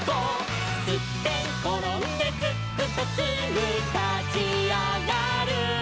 「すってんころんですっくとすぐたちあがる」